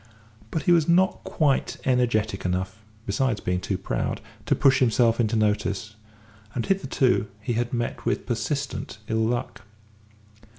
But he was not quite energetic enough, besides being too proud, to push himself into notice, and hitherto he had met with persistent ill luck.